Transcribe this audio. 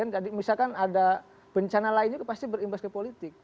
jadi misalkan ada bencana lainnya pasti berimbas ke politik